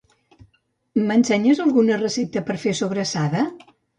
M'ensenyes alguna recepta per fer sobrassada?